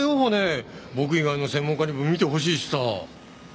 僕以外の専門家にも見てほしいしさ。